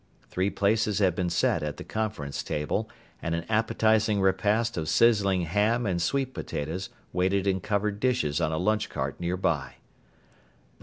Three places had been set at the conference table, and an appetizing repast of sizzling ham and sweet potatoes waited in covered dishes on a lunch cart nearby.